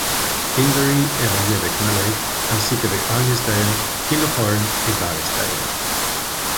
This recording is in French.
Inverie est relié avec Mallaig ainsi qu'avec Arnisdale, Kinlochhourn et Barisdale.